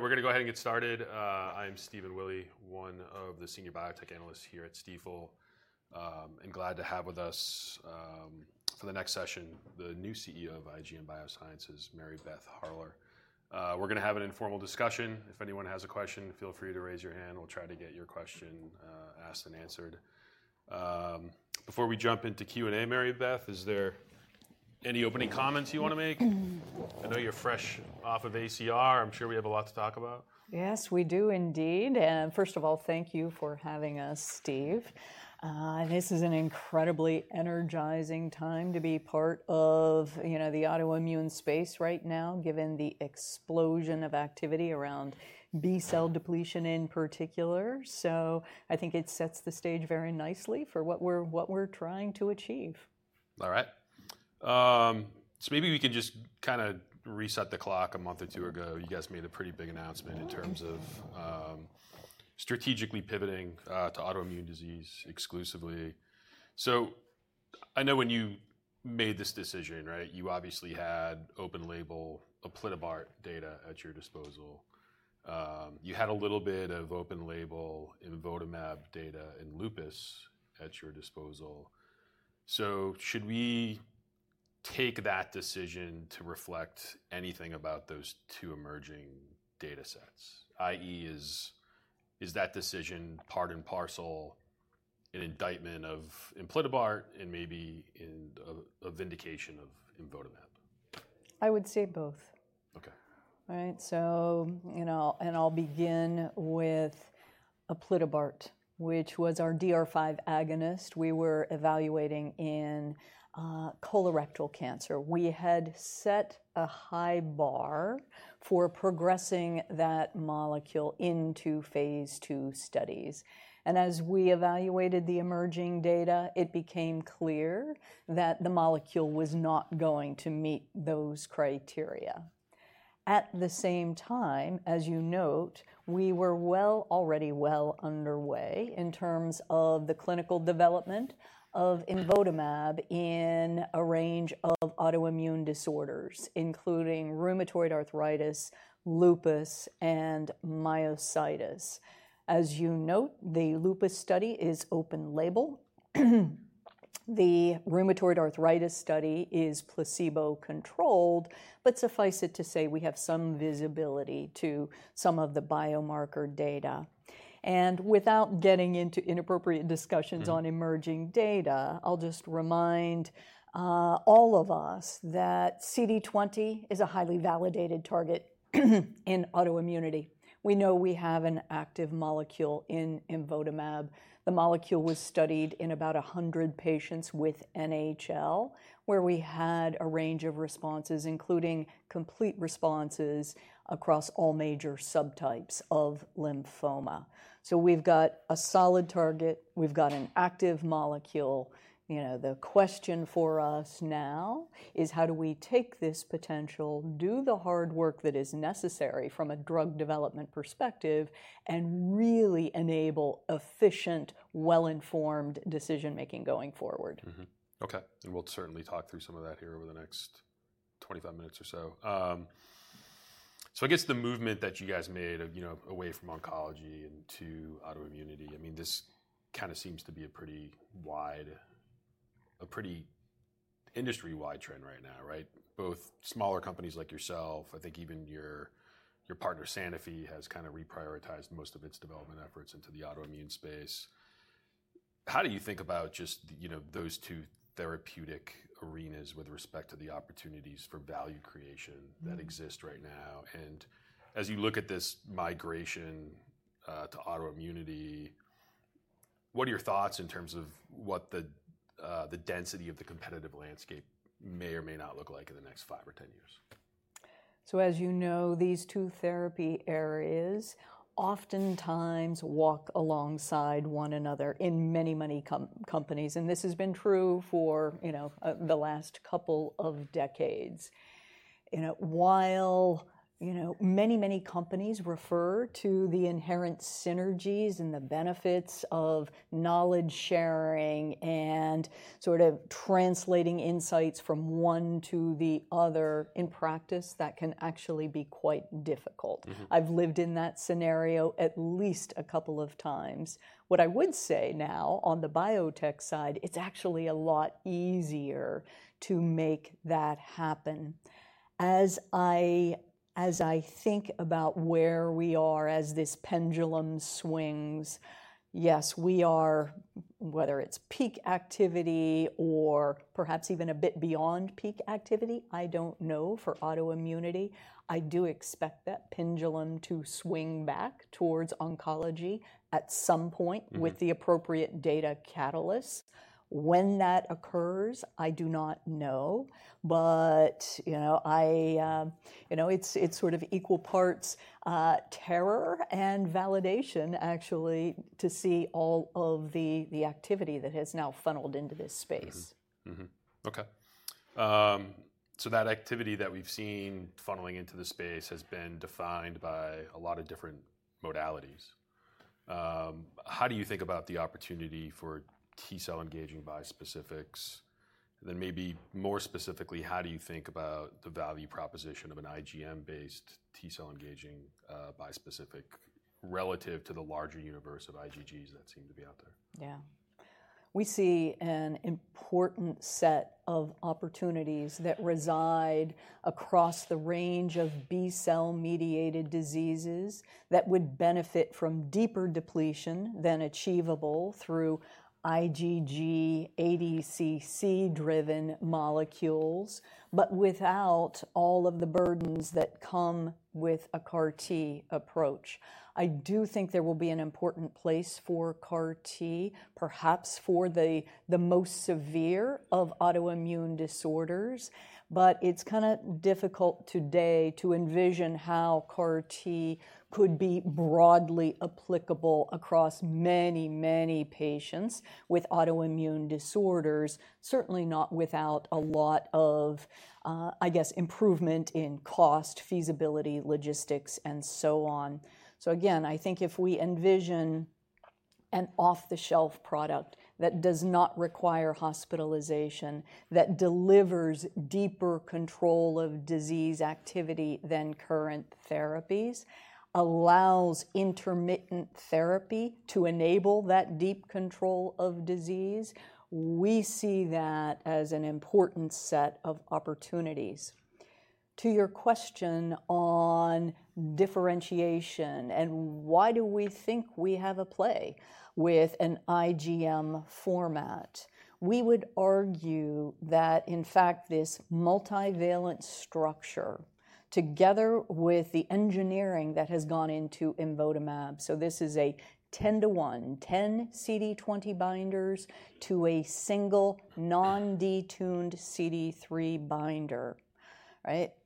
We're going to go ahead and get started. I'm Stephen Willey, one of the senior biotech analysts here at Stifel, and glad to have with us for the next session the new CEO of IGM Biosciences, Mary Beth Harler. We're going to have an informal discussion. If anyone has a question, feel free to raise your hand. We'll try to get your question asked and answered. Before we jump into Q&A, Mary Beth, is there any opening comments you want to make? I know you're fresh off of ACR. I'm sure we have a lot to talk about. Yes, we do indeed. And first of all, thank you for having us, Steve. This is an incredibly energizing time to be part of the autoimmune space right now, given the explosion of activity around B-cell depletion in particular. So I think it sets the stage very nicely for what we're trying to achieve. All right. So maybe we can just kind of reset the clock. A month or two ago, you guys made a pretty big announcement in terms of strategically pivoting to autoimmune disease exclusively. So I know when you made this decision, you obviously had open label aplitabart data at your disposal. You had a little bit of open label imvotamab data in lupus at your disposal. So should we take that decision to reflect anything about those two emerging data sets? I.e., is that decision part and parcel an indictment of aplitabart and maybe a vindication of imvotamab? I would say both. OK. All right. And I'll begin with aplitabart, which was our DR5 agonist. We were evaluating in colorectal cancer. We had set a high bar for progressing that molecule into phase II studies. And as we evaluated the emerging data, it became clear that the molecule was not going to meet those criteria. At the same time, as you note, we were already well underway in terms of the clinical development of imvotamab in a range of autoimmune disorders, including rheumatoid arthritis, lupus, and myositis. As you note, the lupus study is open label. The rheumatoid arthritis study is placebo-controlled, but suffice it to say we have some visibility to some of the biomarker data. And without getting into inappropriate discussions on emerging data, I'll just remind all of us that CD20 is a highly validated target in autoimmunity. We know we have an active molecule in imvotamab. The molecule was studied in about 100 patients with NHL, where we had a range of responses, including complete responses across all major subtypes of lymphoma. So we've got a solid target. We've got an active molecule. The question for us now is, how do we take this potential, do the hard work that is necessary from a drug development perspective, and really enable efficient, well-informed decision-making going forward? OK. And we'll certainly talk through some of that here over the next 25 minutes or so. So I guess the movement that you guys made away from oncology to autoimmunity, I mean, this kind of seems to be a pretty industry-wide trend right now, right? Both smaller companies like yourself, I think even your partner, Sanofi, has kind of reprioritized most of its development efforts into the autoimmune space. How do you think about just those two therapeutic arenas with respect to the opportunities for value creation that exist right now? And as you look at this migration to autoimmunity, what are your thoughts in terms of what the density of the competitive landscape may or may not look like in the next five or 10 years? So as you know, these two therapy areas oftentimes walk alongside one another in many, many companies. And this has been true for the last couple of decades. While many, many companies refer to the inherent synergies and the benefits of knowledge sharing and sort of translating insights from one to the other in practice, that can actually be quite difficult. I've lived in that scenario at least a couple of times. What I would say now on the biotech side, it's actually a lot easier to make that happen. As I think about where we are as this pendulum swings, yes, we are, whether it's peak activity or perhaps even a bit beyond peak activity, I don't know for autoimmunity. I do expect that pendulum to swing back towards oncology at some point with the appropriate data catalyst. When that occurs, I do not know. But it's sort of equal parts terror and validation, actually, to see all of the activity that has now funneled into this space. OK. So that activity that we've seen funneling into the space has been defined by a lot of different modalities. How do you think about the opportunity for T-cell engaging bispecifics? And then maybe more specifically, how do you think about the value proposition of an IgM-based T-cell engaging bispecific relative to the larger universe of IgGs that seem to be out there? Yeah. We see an important set of opportunities that reside across the range of B-cell mediated diseases that would benefit from deeper depletion than achievable through IgG ADCC-driven molecules, but without all of the burdens that come with a CAR-T approach. I do think there will be an important place for CAR-T, perhaps for the most severe of autoimmune disorders. But it's kind of difficult today to envision how CAR-T could be broadly applicable across many, many patients with autoimmune disorders, certainly not without a lot of, I guess, improvement in cost, feasibility, logistics, and so on. So again, I think if we envision an off-the-shelf product that does not require hospitalization, that delivers deeper control of disease activity than current therapies, allows intermittent therapy to enable that deep control of disease, we see that as an important set of opportunities. To your question on differentiation and why do we think we have a play with an IgM format, we would argue that, in fact, this multivalent structure, together with the engineering that has gone into imvotamab, so this is a 10-to-1, 10 CD20 binders to a single non-detuned CD3 binder,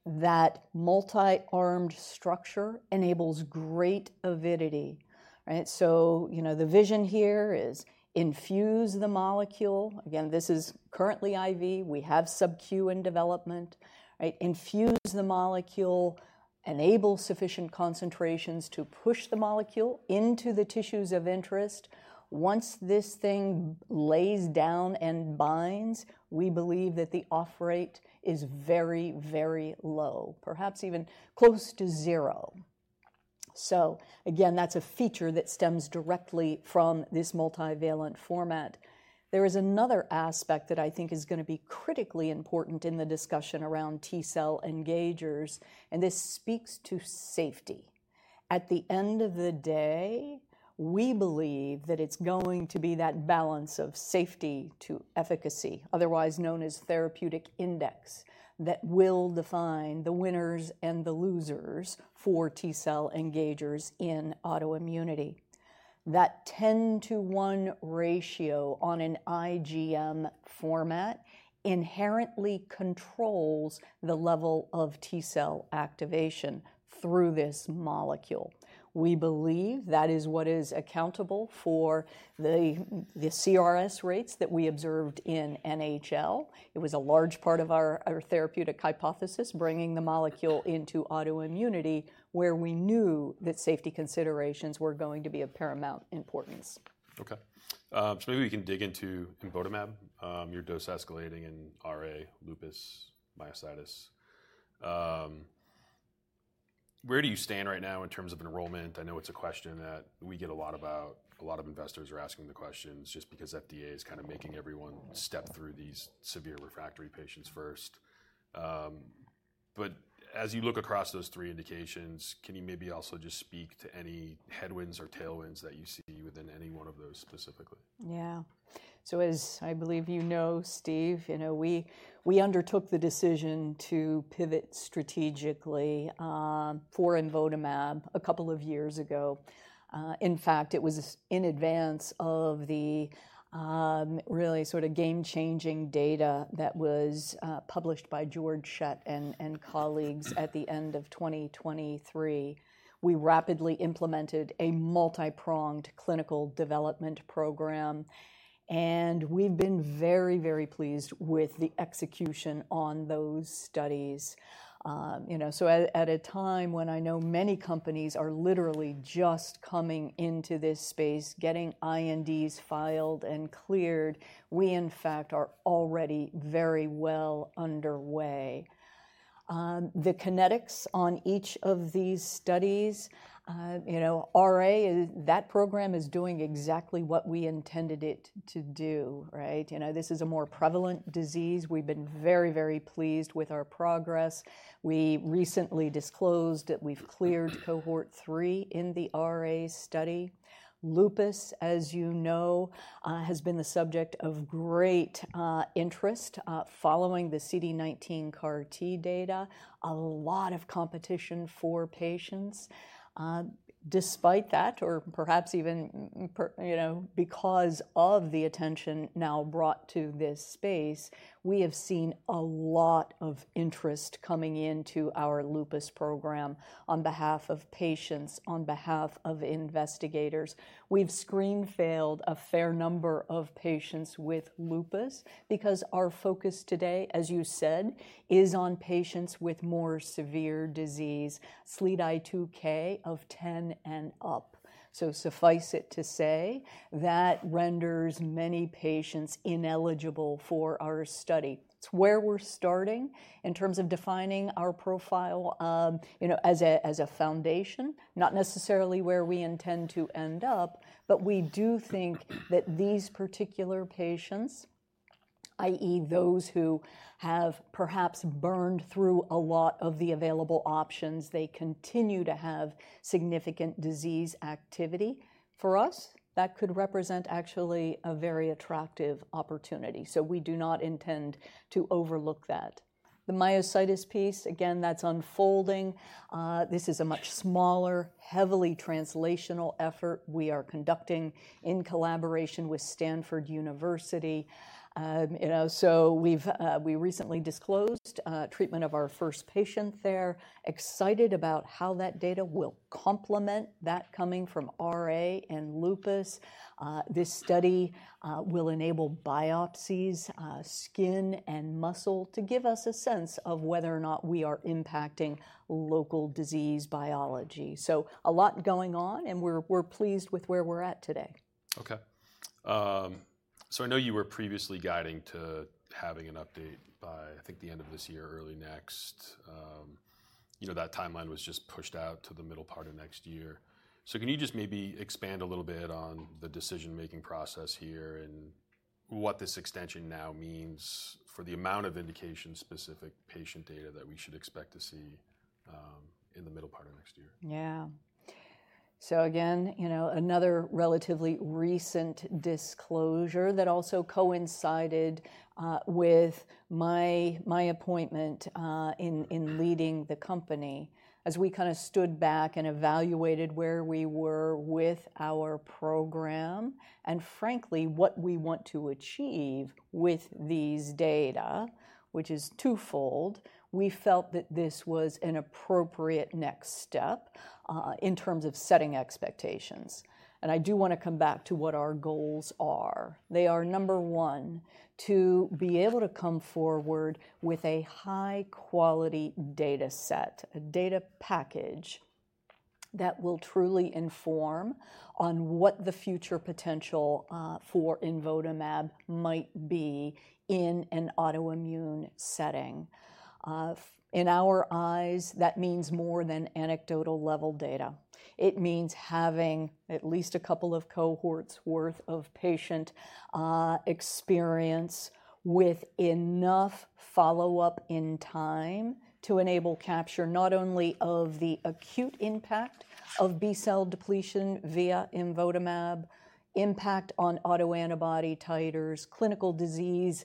that multi-armed structure enables great avidity. So the vision here is infuse the molecule. Again, this is currently IV. We have subQ in development. Infuse the molecule, enable sufficient concentrations to push the molecule into the tissues of interest. Once this thing lays down and binds, we believe that the off-rate is very, very low, perhaps even close to zero. So again, that's a feature that stems directly from this multivalent format. There is another aspect that I think is going to be critically important in the discussion around T-cell engagers. And this speaks to safety. At the end of the day, we believe that it's going to be that balance of safety to efficacy, otherwise known as therapeutic index, that will define the winners and the losers for T-cell engagers in autoimmunity. That 10-to-1 ratio on an IgM format inherently controls the level of T-cell activation through this molecule. We believe that is what is accountable for the CRS rates that we observed in NHL. It was a large part of our therapeutic hypothesis bringing the molecule into autoimmunity, where we knew that safety considerations were going to be of paramount importance. Okay. So maybe we can dig into imvotamab, your dose escalating in RA, lupus, myositis. Where do you stand right now in terms of enrollment? I know it's a question that we get a lot about. A lot of investors are asking the questions just because FDA is kind of making everyone step through these severe refractory patients first. But as you look across those three indications, can you maybe also just speak to any headwinds or tailwinds that you see within any one of those specifically? Yeah, so as I believe you know, Steve, we undertook the decision to pivot strategically for imvotamab a couple of years ago. In fact, it was in advance of the really sort of game-changing data that was published by Georg Schett and colleagues at the end of 2023. We rapidly implemented a multi-pronged clinical development program, and we've been very, very pleased with the execution on those studies, so at a time when I know many companies are literally just coming into this space, getting INDs filed and cleared, we, in fact, are already very well underway. The kinetics on each of these studies, RA, that program is doing exactly what we intended it to do. This is a more prevalent disease. We've been very, very pleased with our progress. We recently disclosed that we've cleared cohort three in the RA study. Lupus, as you know, has been the subject of great interest following the CD19 CAR-T data. A lot of competition for patients. Despite that, or perhaps even because of the attention now brought to this space, we have seen a lot of interest coming into our lupus program on behalf of patients, on behalf of investigators. We've screen-failed a fair number of patients with lupus because our focus today, as you said, is on patients with more severe disease, SLEDAI-2K of 10 and up. So suffice it to say that renders many patients ineligible for our study. It's where we're starting in terms of defining our profile as a foundation, not necessarily where we intend to end up. But we do think that these particular patients, i.e., those who have perhaps burned through a lot of the available options, they continue to have significant disease activity. For us, that could represent actually a very attractive opportunity, so we do not intend to overlook that. The myositis piece, again, that's unfolding. This is a much smaller, heavily translational effort we are conducting in collaboration with Stanford University, so we recently disclosed treatment of our first patient there, excited about how that data will complement that coming from RA and lupus. This study will enable biopsies, skin, and muscle to give us a sense of whether or not we are impacting local disease biology. So a lot going on, and we're pleased with where we're at today. Okay, so I know you were previously guiding to having an update by, I think, the end of this year, early next. That timeline was just pushed out to the middle part of next year. So can you just maybe expand a little bit on the decision-making process here and what this extension now means for the amount of indication-specific patient data that we should expect to see in the middle part of next year? Yeah, so again, another relatively recent disclosure that also coincided with my appointment in leading the company as we kind of stood back and evaluated where we were with our program and, frankly, what we want to achieve with these data, which is twofold. We felt that this was an appropriate next step in terms of setting expectations, and I do want to come back to what our goals are. They are, number one, to be able to come forward with a high-quality data set, a data package that will truly inform on what the future potential for imvotamab might be in an autoimmune setting. In our eyes, that means more than anecdotal-level data. It means having at least a couple of cohorts' worth of patient experience with enough follow-up in time to enable capture not only of the acute impact of B-cell depletion via imvotamab, impact on autoantibody titers, clinical disease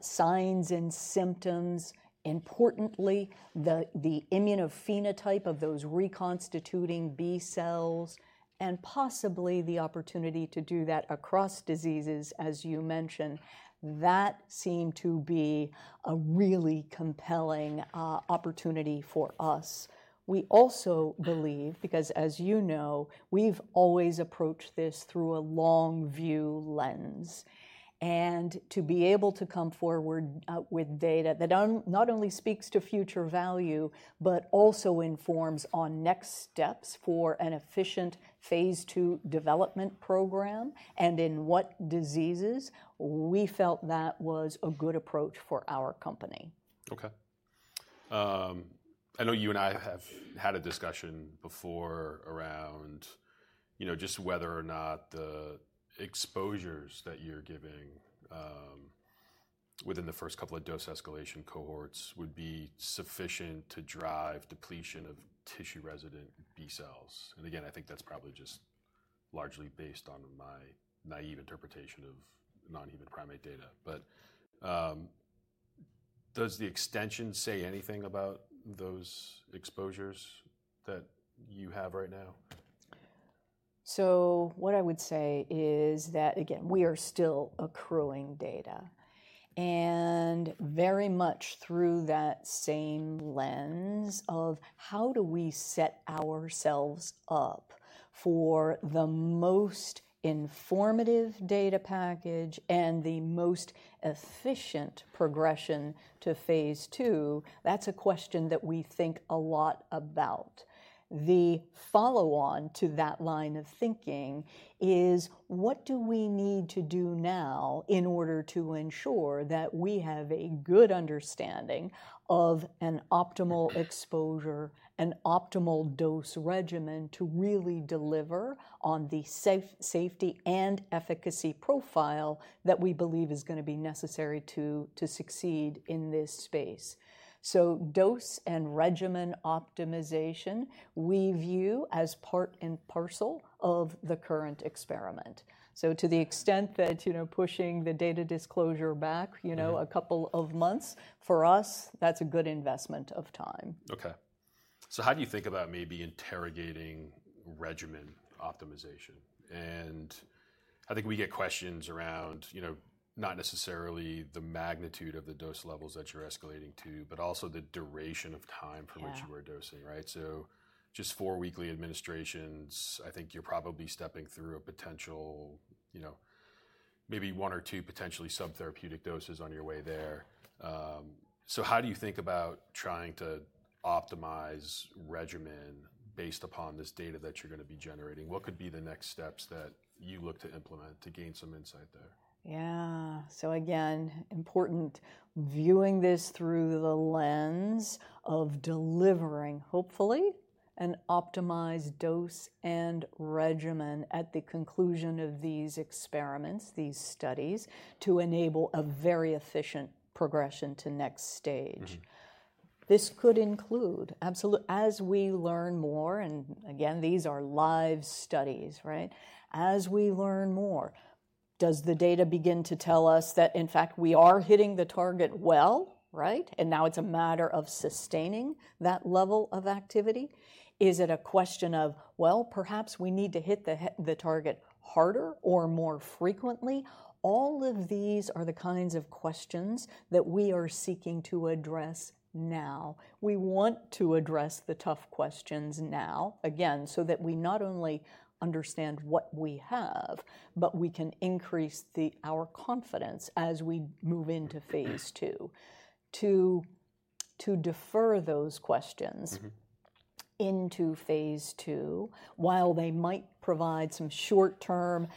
signs and symptoms, importantly, the immunophenotype of those reconstituting B-cells, and possibly the opportunity to do that across diseases, as you mentioned. That seemed to be a really compelling opportunity for us. We also believe, because as you know, we've always approached this through a long-view lens, and to be able to come forward with data that not only speaks to future value, but also informs on next steps for an efficient phase II development program and in what diseases, we felt that was a good approach for our company. OK. I know you and I have had a discussion before around just whether or not the exposures that you're giving within the first couple of dose escalation cohorts would be sufficient to drive depletion of tissue-resident B-cells, and again, I think that's probably just largely based on my naive interpretation of non-human primate data, but does the extension say anything about those exposures that you have right now? What I would say is that, again, we are still accruing data. And very much through that same lens of how do we set ourselves up for the most informative data package and the most efficient progression to phase II, that's a question that we think a lot about. The follow-on to that line of thinking is, what do we need to do now in order to ensure that we have a good understanding of an optimal exposure, an optimal dose regimen to really deliver on the safety and efficacy profile that we believe is going to be necessary to succeed in this space? Dose and regimen optimization, we view as part and parcel of the current experiment. To the extent that pushing the data disclosure back a couple of months, for us, that's a good investment of time. OK. So how do you think about maybe interrogating regimen optimization? And I think we get questions around not necessarily the magnitude of the dose levels that you're escalating to, but also the duration of time for which you are dosing. So just four weekly administrations, I think you're probably stepping through a potential maybe one or two potentially subtherapeutic doses on your way there. So how do you think about trying to optimize regimen based upon this data that you're going to be generating? What could be the next steps that you look to implement to gain some insight there? Yeah. So again, important viewing this through the lens of delivering, hopefully, an optimized dose and regimen at the conclusion of these experiments, these studies, to enable a very efficient progression to next stage. This could include, absolutely, as we learn more and again, these are live studies. As we learn more, does the data begin to tell us that, in fact, we are hitting the target well? And now it's a matter of sustaining that level of activity. Is it a question of, well, perhaps we need to hit the target harder or more frequently? All of these are the kinds of questions that we are seeking to address now. We want to address the tough questions now, again, so that we not only understand what we have, but we can increase our confidence as we move into phase II. To defer those questions into phase II, while they might provide some short-term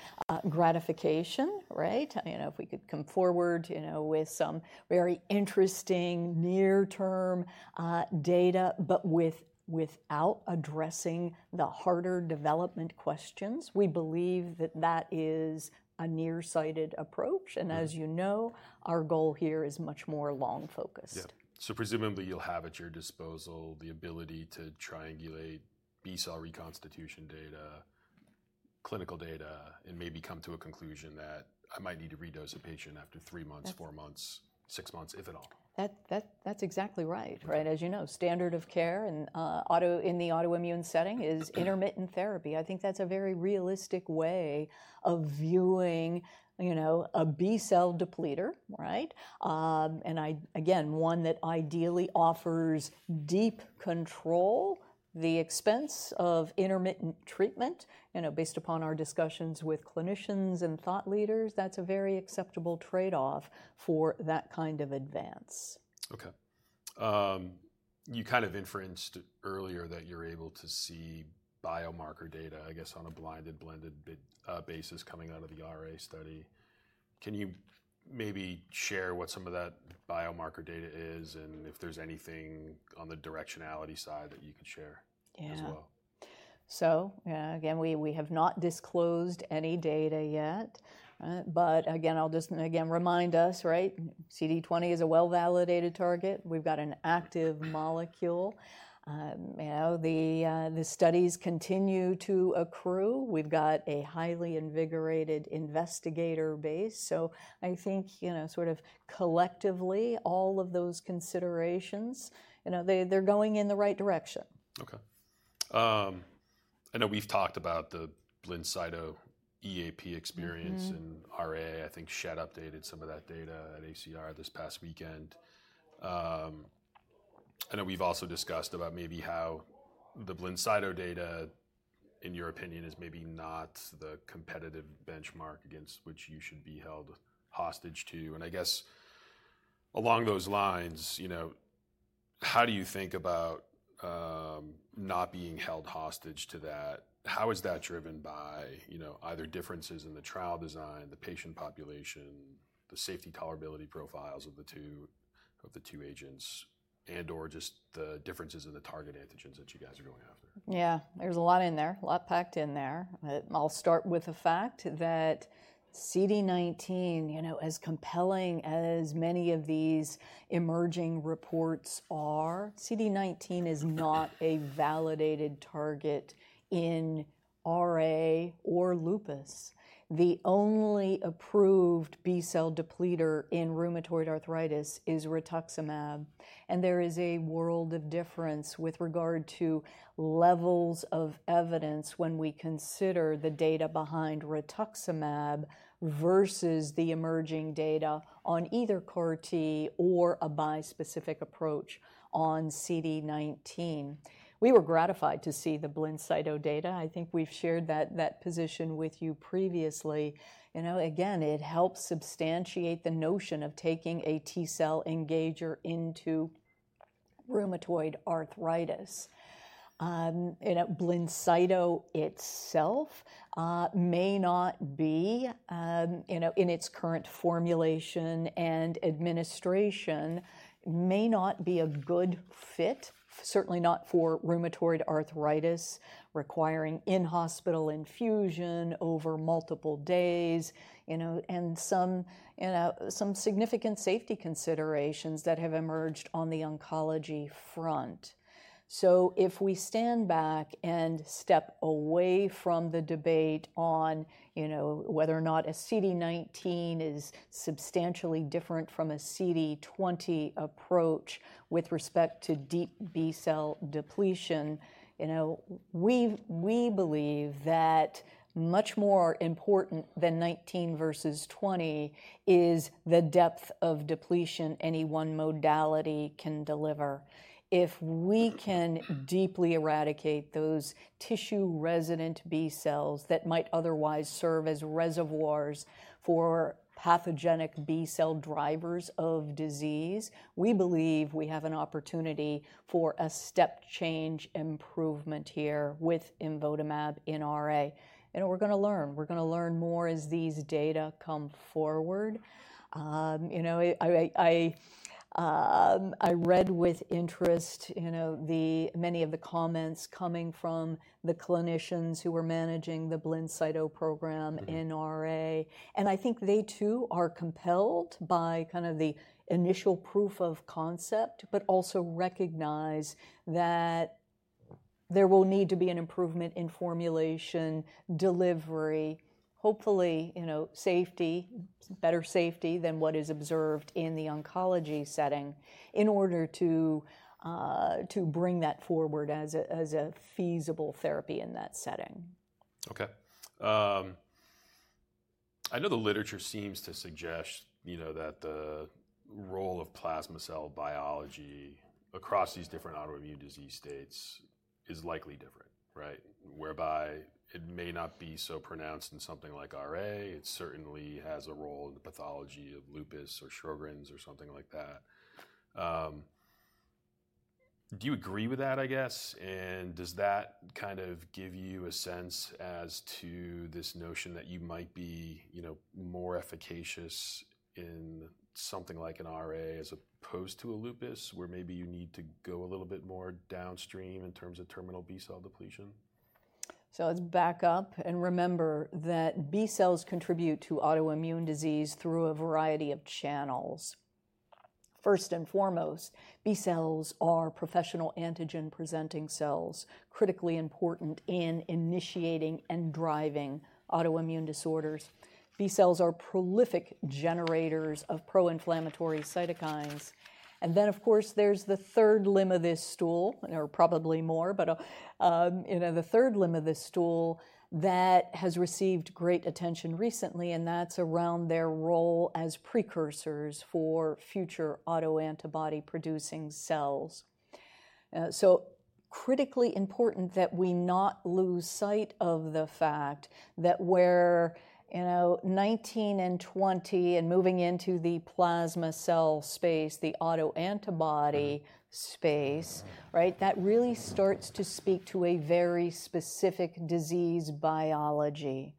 gratification, if we could come forward with some very interesting near-term data, but without addressing the harder development questions, we believe that that is a nearsighted approach. And as you know, our goal here is much more long-focused. Yeah. Presumably, you'll have at your disposal the ability to triangulate B-cell reconstitution data, clinical data, and maybe come to a conclusion that I might need to redose a patient after three months, four months, six months, if at all. That's exactly right. As you know, standard of care in the autoimmune setting is intermittent therapy. I think that's a very realistic way of viewing a B-cell depleter. And again, one that ideally offers deep control at the expense of intermittent treatment, based upon our discussions with clinicians and thought leaders, that's a very acceptable trade-off for that kind of advance. OK. You kind of inferred earlier that you're able to see biomarker data, I guess, on a blinded, blended basis coming out of the RA study. Can you maybe share what some of that biomarker data is and if there's anything on the directionality side that you could share as well? Yeah. So again, we have not disclosed any data yet. But again, I'll just again remind us, CD20 is a well-validated target. We've got an active molecule. The studies continue to accrue. We've got a highly invigorated investigator base. So I think sort of collectively, all of those considerations, they're going in the right direction. OK. I know we've talked about the BLINCYTO EAP experience in RA. I think Schett updated some of that data at ACR this past weekend. I know we've also discussed about maybe how the BLINCYTO data, in your opinion, is maybe not the competitive benchmark against which you should be held hostage to. And I guess along those lines, how do you think about not being held hostage to that? How is that driven by either differences in the trial design, the patient population, the safety tolerability profiles of the two agents, and/or just the differences in the target antigens that you guys are going after? Yeah. There's a lot in there, a lot packed in there. I'll start with the fact that CD19, as compelling as many of these emerging reports are, CD19 is not a validated target in RA or lupus. The only approved B-cell depleter in rheumatoid arthritis is rituximab. And there is a world of difference with regard to levels of evidence when we consider the data behind rituximab versus the emerging data on either CAR-T or a bispecific approach on CD19. We were gratified to see the BLINCYTO data. I think we've shared that position with you previously. Again, it helps substantiate the notion of taking a T-cell engager into rheumatoid arthritis. BLINCYTO itself may not be, in its current formulation and administration, may not be a good fit, certainly not for rheumatoid arthritis requiring in-hospital infusion over multiple days and some significant safety considerations that have emerged on the oncology front. So if we stand back and step away from the debate on whether or not a CD19 is substantially different from a CD20 approach with respect to deep B-cell depletion, we believe that much more important than CD19 versus CD20 is the depth of depletion any one modality can deliver. If we can deeply eradicate those tissue-resident B-cells that might otherwise serve as reservoirs for pathogenic B-cell drivers of disease, we believe we have an opportunity for a step change improvement here with imvotamab in RA. We're going to learn. We're going to learn more as these data come forward. I read with interest many of the comments coming from the clinicians who were managing the BLINCYTO program in RA. And I think they, too, are compelled by kind of the initial proof of concept, but also recognize that there will need to be an improvement in formulation, delivery, hopefully, safety, better safety than what is observed in the oncology setting in order to bring that forward as a feasible therapy in that setting. OK. I know the literature seems to suggest that the role of plasma cell biology across these different autoimmune disease states is likely different, whereby it may not be so pronounced in something like RA. It certainly has a role in the pathology of lupus or Sjögren's or something like that. Do you agree with that, I guess, and does that kind of give you a sense as to this notion that you might be more efficacious in something like an RA as opposed to a lupus, where maybe you need to go a little bit more downstream in terms of terminal B-cell depletion? So let's back up and remember that B-cells contribute to autoimmune disease through a variety of channels. First and foremost, B-cells are professional antigen-presenting cells critically important in initiating and driving autoimmune disorders. B-cells are prolific generators of pro-inflammatory cytokines. And then, of course, there's the third limb of this stool, or probably more, but the third limb of this stool that has received great attention recently, and that's around their role as precursors for future autoantibody-producing cells. So critically important that we not lose sight of the fact that where CD19 and CD20 and moving into the plasma cell space, the autoantibody space, that really starts to speak to a very specific disease biology,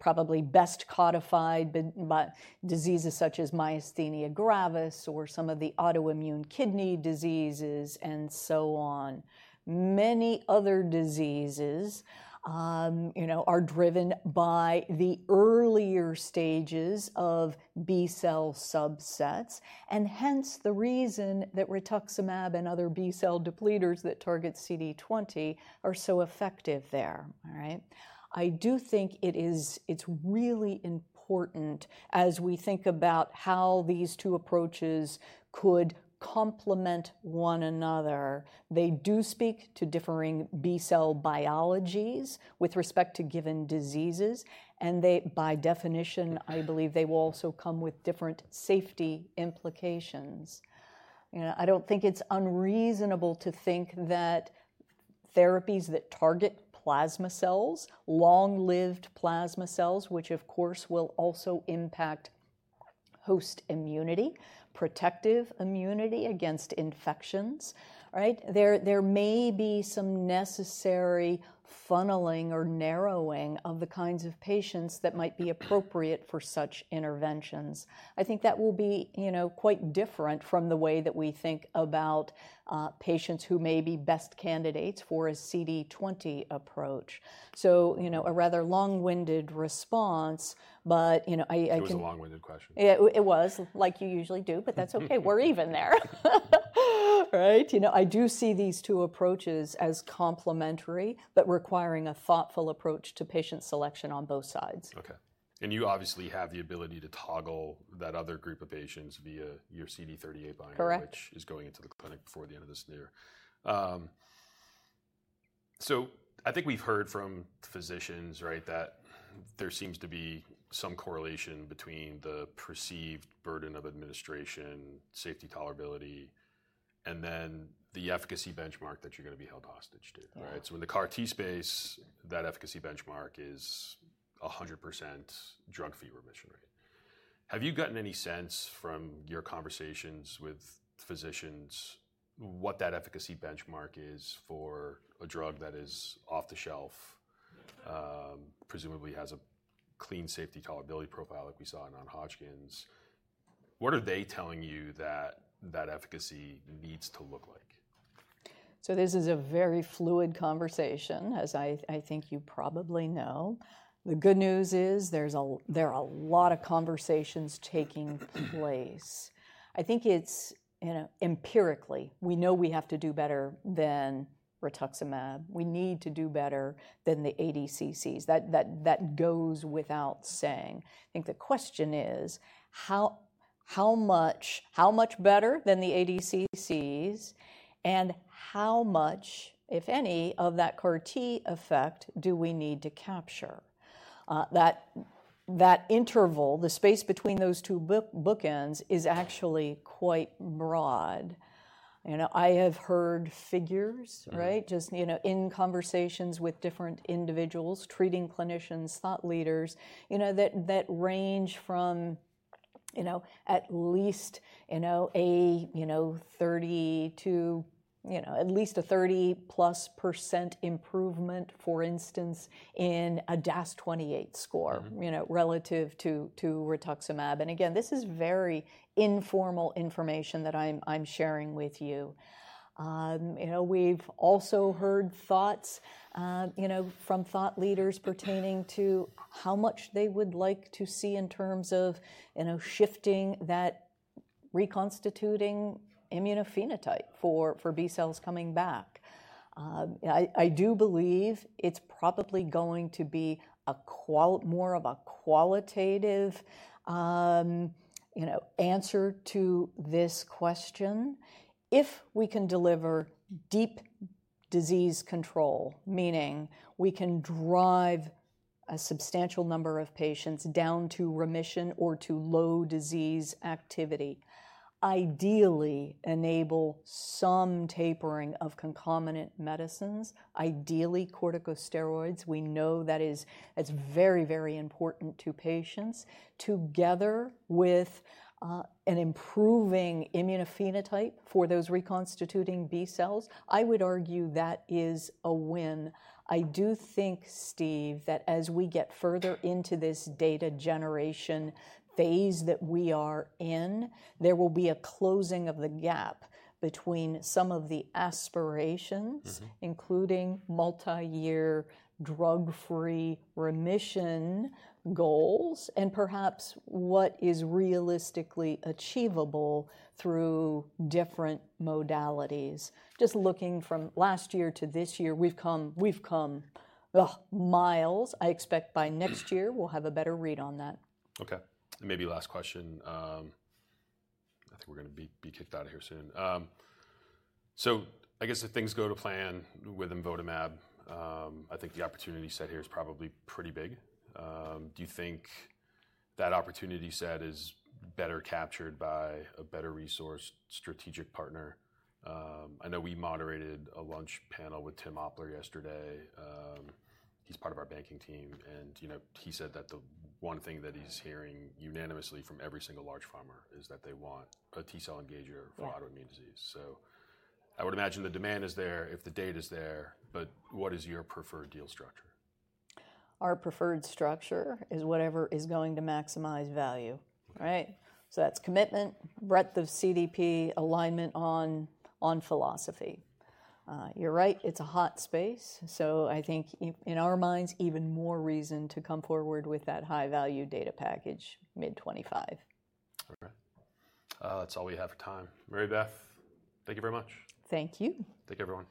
probably best codified by diseases such as myasthenia gravis or some of the autoimmune kidney diseases and so on. Many other diseases are driven by the earlier stages of B-cell subsets, and hence the reason that rituximab and other B-cell depleters that target CD20 are so effective there. I do think it's really important as we think about how these two approaches could complement one another. They do speak to differing B-cell biologies with respect to given diseases. And by definition, I believe they will also come with different safety implications. I don't think it's unreasonable to think that therapies that target plasma cells, long-lived plasma cells, which of course will also impact host immunity, protective immunity against infections, there may be some necessary funneling or narrowing of the kinds of patients that might be appropriate for such interventions. I think that will be quite different from the way that we think about patients who may be best candidates for a CD20 approach. So, a rather long-winded response, but I. It was a long-winded question. It was, like you usually do, but that's OK. We're even there. I do see these two approaches as complementary, but requiring a thoughtful approach to patient selection on both sides. OK. And you obviously have the ability to toggle that other group of patients via your CD38 biomarker, which is going into the clinic before the end of this year. So I think we've heard from physicians that there seems to be some correlation between the perceived burden of administration, safety tolerability, and then the efficacy benchmark that you're going to be held hostage to. So in the CAR-T space, that efficacy benchmark is 100% drug-free remission rate. Have you gotten any sense from your conversations with physicians what that efficacy benchmark is for a drug that is off the shelf, presumably has a clean safety tolerability profile like we saw in non-Hodgkin's? What are they telling you that that efficacy needs to look like? This is a very fluid conversation, as I think you probably know. The good news is there are a lot of conversations taking place. I think empirically, we know we have to do better than rituximab. We need to do better than the ADCCs. That goes without saying. I think the question is, how much better than the ADCCs, and how much, if any, of that CAR-T effect do we need to capture? That interval, the space between those two bookends, is actually quite broad. I have heard figures just in conversations with different individuals, treating clinicians, thought leaders, that range from at least a 30% to at least a 30%+ improvement, for instance, in a DAS28 score relative to rituximab. Again, this is very informal information that I'm sharing with you. We've also heard thoughts from thought leaders pertaining to how much they would like to see in terms of shifting that reconstituting immunophenotype for B-cells coming back. I do believe it's probably going to be more of a qualitative answer to this question. If we can deliver deep disease control, meaning we can drive a substantial number of patients down to remission or to low disease activity, ideally enable some tapering of concomitant medicines, ideally corticosteroids. We know that is very, very important to patients. Together with an improving immunophenotype for those reconstituting B-cells, I would argue that is a win. I do think, Steve, that as we get further into this data generation phase that we are in, there will be a closing of the gap between some of the aspirations, including multi-year drug-free remission goals, and perhaps what is realistically achievable through different modalities. Just looking from last year to this year, we've come miles. I expect by next year, we'll have a better read on that. OK. Maybe last question. I think we're going to be kicked out of here soon. So I guess if things go to plan with imvotamab, I think the opportunity set here is probably pretty big. Do you think that opportunity set is better captured by a better-resourced strategic partner? I know we moderated a lunch panel with Tim Opler yesterday. He's part of our banking team. And he said that the one thing that he's hearing unanimously from every single large pharma is that they want a T-cell engager for autoimmune disease. So I would imagine the demand is there if the data is there. But what is your preferred deal structure? Our preferred structure is whatever is going to maximize value. So that's commitment, breadth of CDP, alignment on philosophy. You're right. It's a hot space. So I think in our minds, even more reason to come forward with that high-value data package mid-2025. OK. That's all we have for time. Mary Beth, thank you very much. Thank you. Thank you, everyone.